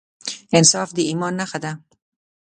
انصاف د ایمان نښه ده.